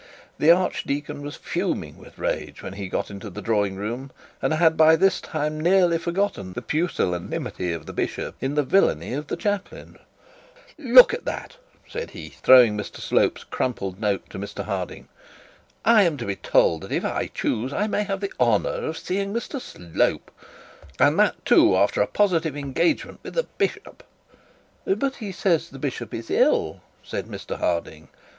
The archdeacon was fuming with rage when he got into the drawing room, and had by this time nearly forgotten the pusillanimity of the bishop in the villainy of the chaplain. 'Look at that,' said he, throwing Mr Slope's crumpled note to Mr Harding. 'I am to be told that if I choose I may have the honour of seeing Mr Slope, and that too, after a positive engagement with the bishop.' 'But he says the bishop is ill,' said Mr Harding.